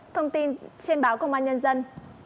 thông tin trên báo công an nhân dân